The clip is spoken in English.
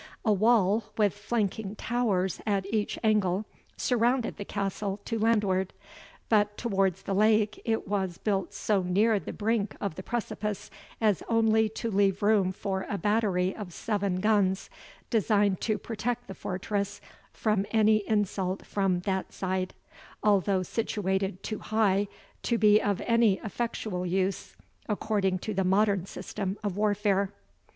A wall, with flanking towers at each angle, surrounded the castle to landward; but, towards the lake, it was built so near the brink of the precipice as only to leave room for a battery of seven guns, designed to protect the fortress from any insult from that side, although situated too high to be of any effectual use according to the modern system of warfare.